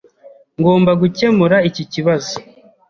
Ngomba gukemura iki kibazo.